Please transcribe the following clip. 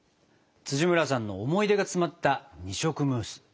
村さんの思い出が詰まった二色ムース。